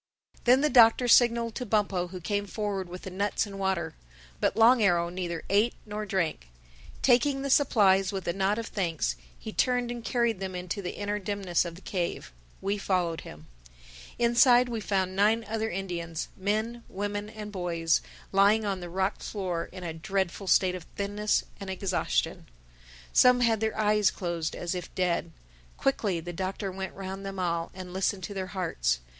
Then the Doctor signaled to Bumpo who came forward with the nuts and water. But Long Arrow neither ate nor drank. Taking the supplies with a nod of thanks, he turned and carried them into the inner dimness of the cave. We followed him. Inside we found nine other Indians, men, women and boys, lying on the rock floor in a dreadful state of thinness and exhaustion. Some had their eyes closed, as if dead. Quickly the Doctor went round them all and listened to their hearts.